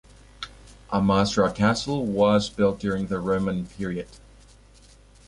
Amasra Castle was built during the Roman period.